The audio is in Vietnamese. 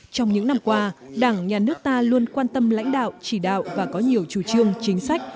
trong những năm qua đảng nhà nước ta luôn quan tâm lãnh đạo chỉ đạo và có nhiều chủ trương chính sách